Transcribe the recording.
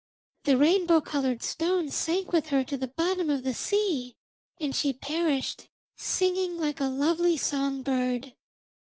The rainbow coloured stone sank with her to the bottom of the sea, and she perished, singing like a lovely song bird.